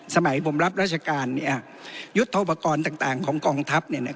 สมัยผมรับราชการยุทธโปรกรณ์ต่างของกองทัพ